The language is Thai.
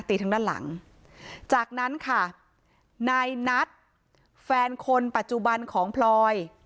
ทางด้านหลังจากนั้นค่ะนายนัทแฟนคนปัจจุบันของพลอย